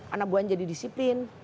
anak buahnya jadi disiplin